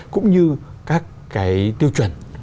cũng như các tiêu chuẩn